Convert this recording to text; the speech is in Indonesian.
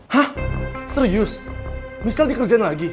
hah serius misal dikerjain lagi